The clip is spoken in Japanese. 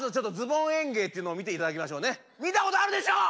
見たことあるでしょう！